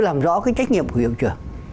làm rõ cái trách nhiệm của hiệu trường